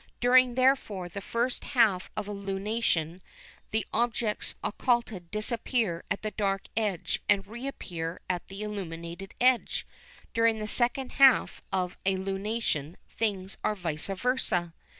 During therefore the first half of a lunation the objects occulted disappear at the dark edge and reappear at the illuminated edge, during the second half of a lunation things are vice versâ.